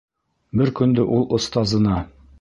Бер көндө ул остазына: